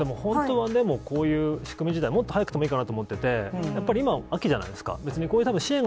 でも本当はこういう仕組み自体、もっと早くてもいいかなと思っていて、やっぱり今、秋じゃないですか。